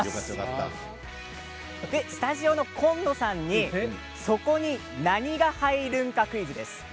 スタジオの今野さんにそこに何が入るんか、クイズです。